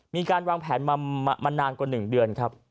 มีการวางแผนมานานกว่า๑เดือนครับ